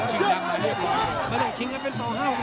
จึงยังไม่เรียบร้อย